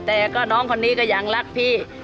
แต่ก็น้องคนนี้ก็ยังรักพี่